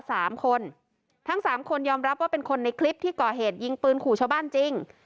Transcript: สามคนทั้งสามคนยอมรับว่าเป็นคนในคลิปที่ก่อเหตุยิงปืนขู่ชาวบ้านจริง